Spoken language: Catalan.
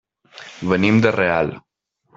Venim de Real.